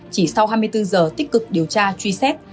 chỉ sau hai mươi bốn giờ tích cực điều tra truy xét